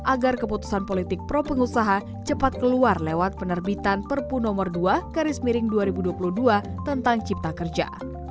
agar keputusan politik pro pengusaha cepat keluar lewat penerbitan perpu nomor dua garis miring dua ribu dua puluh dua tentang cipta kerja